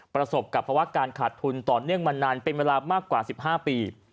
ประสบกับภาวะการขาดทุนต่อเนื่องมานานเป็นเวลามากกว่า๑๕ปี